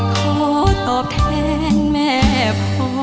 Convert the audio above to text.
ขอตอบแทนแม่พ่อ